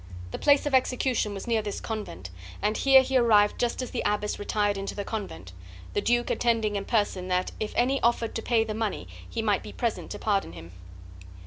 The place of his execution was near this convent, and here he arrived just as the abbess retired into the convent; the duke attending in person, that, if any offered to pay the money, he might be present to pardon him.